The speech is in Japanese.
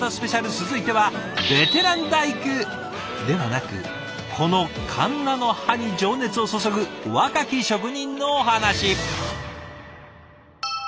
続いてはベテラン大工ではなくこのかんなの刃に情熱を注ぐ若き職人のお話。